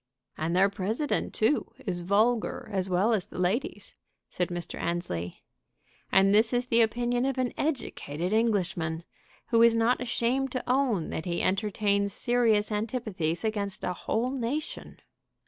"And their President, too, is vulgar as well as the ladies," said Mr. Annesley. "And this is the opinion of an educated Englishman, who is not ashamed to own that he entertains serious antipathies against a whole nation!"